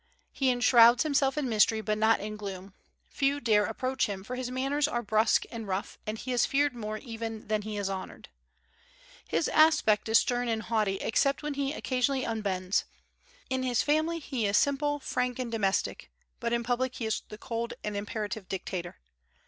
He enshrouds himself in mystery, but not in gloom. Few dare approach him, for his manners are brusque and rough, and he is feared more even than he is honored. His aspect is stern and haughty, except when he occasionally unbends. In his family he is simple, frank, and domestic; but in public he is the cold and imperative dictator.